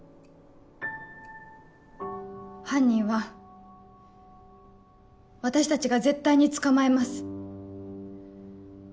犯人は私たちが絶対に捕まえます。